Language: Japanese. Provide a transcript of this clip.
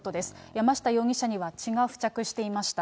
山下容疑者には血が付着していました。